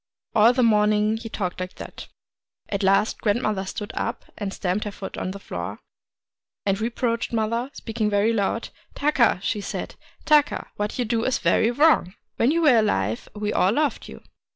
All the morning he talked like that. At last grandmother stood up, and stamped her foot on the floor, and reproached mother, — speaking very loud. ' Taka !' she said, ' Taka, what you do is very wrong. When you were alive we all loved you.